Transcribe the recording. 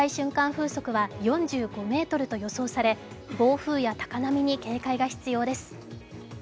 風速は４５メートルと予想され暴風や高波に警戒が必要です。